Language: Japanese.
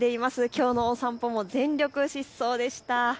きょうのお散歩も全力疾走でした。